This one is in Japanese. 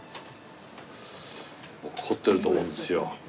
凝ってると思うんですよ。